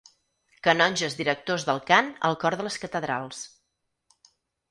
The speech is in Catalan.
Canonges directors del cant al cor de les catedrals.